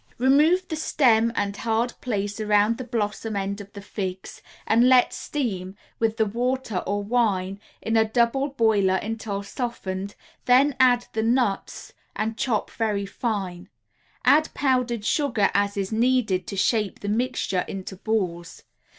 Remove the stem and hard place around the blossom end of the figs, and let steam, with the water or wine, in a double boiler until softened, then add the nuts and chop very fine. Add powdered sugar as is needed to shape the mixture into balls.